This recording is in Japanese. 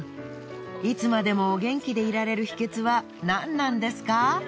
いつまでもお元気でいられる秘訣はなんなんですか？